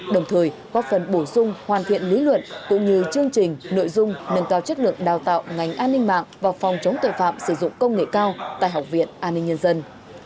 đồng thời góp phần bổ sung hoàn thiện lý luận cũng như chương trình nội dung nâng cao chất lượng đào tạo ngành an ninh mạng và phòng chống tội phạm sử dụng công nghệ cao tại học viện an ninh nhân dân